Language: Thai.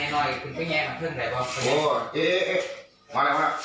โอ้เอ๊เอ๊เอ๊มาแล้วมาแล้ว